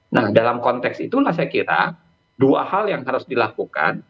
nah dalam konteks itulah saya kira dua hal yang harus dilakukan